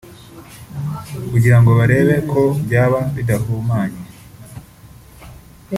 kugira ngo barebe ko byaba bidahumanye